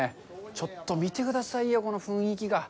ちょっと見てくださいよ、この雰囲気が。